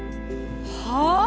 はあ！？